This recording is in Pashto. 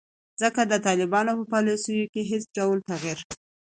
ځکه د طالبانو په پالیسیو کې هیڅ ډول تغیر